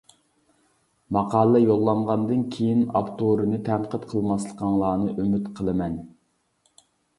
ماقالە يوللانغاندىن كېيىن ئاپتورنى تەنقىد قىلماسلىقىڭلارنى ئۈمىد قىلىمەن.